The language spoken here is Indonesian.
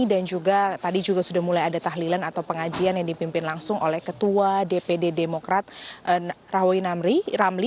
dan juga tadi juga sudah mulai ada tahlilan atau pengajian yang dipimpin langsung oleh ketua dpd demokrat rahwi ramli